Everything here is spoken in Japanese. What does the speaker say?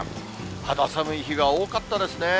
肌寒い日が多かったですね。